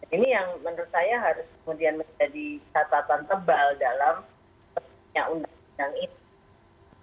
ini yang menurut saya harus kemudian menjadi catatan tebal dalam undang undang ini